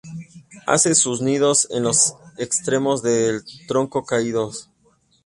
Hace sus nidos en los extremos de troncos caídos.